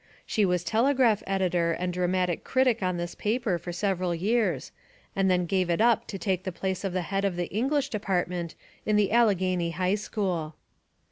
She was telegraph editor and dramatic critic on this paper for several years and then gave it up to take the place of the head of the English depart ment in the Allegheny High School.